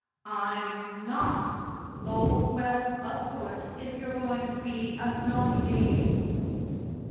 "I'm not!" "Oh, well, of course, if you're going to be a naughty baby."